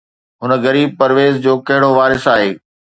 هن غريب پرويز جو ڪهڙو وارث آهي؟